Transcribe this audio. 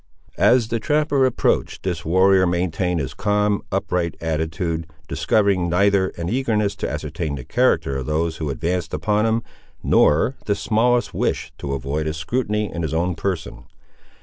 As the trapper approached, this warrior maintained his calm upright attitude, discovering neither an eagerness to ascertain the character of those who advanced upon him, nor the smallest wish to avoid a scrutiny in his own person.